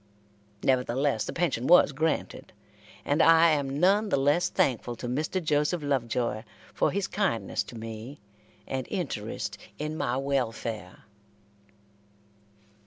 Nevertheless the pension was granted, and I am none the less thankful to Mr. Joseph Lovejoy for his kindness to me, and interest in my welfare.